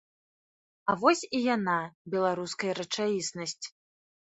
А вось і яна, беларуская рэчаіснасць.